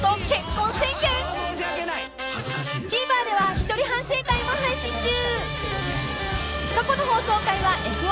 ［ＴＶｅｒでは一人反省会も配信中］